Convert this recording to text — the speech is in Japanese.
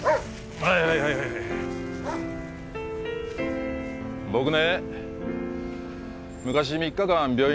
はいはいはい僕ね昔３日間病院